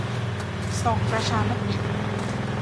ส่องประชามติ